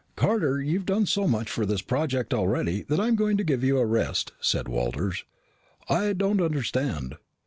"Carter, you've done so much for this project already that I'm going to give you a rest," said Walters. "I don't understand."